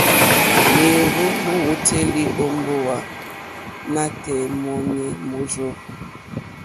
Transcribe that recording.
Ŋwéyò mówǒtélì ó mbówà nǎtɛ̀ɛ̀ mɔ́nɛ̌ mórzô.